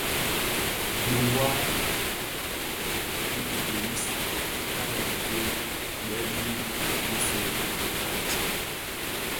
Dhi ňwad tibomis bi fikalèn fi bë yiyis bisu u Afrika ntsem mbiň.